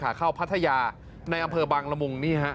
หาเข้าพัทยาในอำเภอบางลมุง